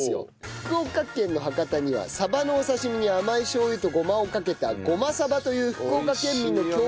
福岡県の博多にはサバのお刺し身に甘いしょう油とごまをかけたごまさばという福岡県民の郷土料理があります。